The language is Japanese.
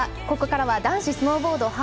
ここからは男子スノーボード